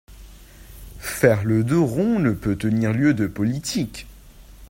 Faire le dos rond ne peut tenir lieu de politique.